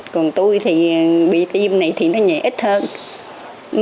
còn tôi thì bị tiêm này thì nó nhẹ ít hơn